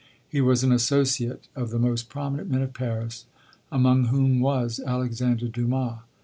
He was an associate of the most prominent men of Paris, among whom was Alexander Dumas.